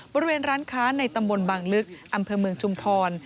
บริเวณร้านค้าในตำบลบางลึกอำเภอเมืองชุมพร